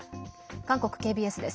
韓国ＫＢＳです。